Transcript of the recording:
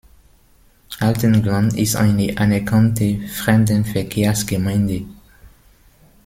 Altenglan ist eine anerkannte Fremdenverkehrsgemeinde.